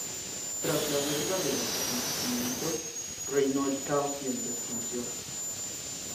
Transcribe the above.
Tras la deriva de los acontecimientos, reinó el caos y el desconcierto.